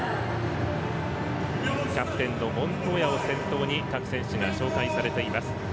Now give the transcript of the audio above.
キャプテンのモントーヤを先頭に各選手が紹介されています。